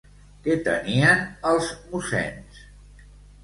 Què tenien els mossens?